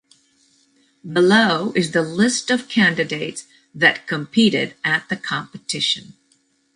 Below is the list of candidates that competed at the competition.